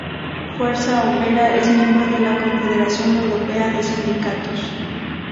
Fuerza Obrera es miembro de la Confederación Europea de Sindicatos.